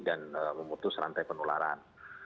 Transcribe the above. dan memutus rantai penularan